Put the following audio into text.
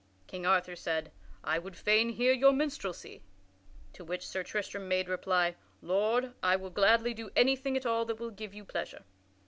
King Arthur said, "I would fain hear your minstrelsy." To which Sir Tristram made reply: "Lord, I will gladly do anything at all that will give you pleasure."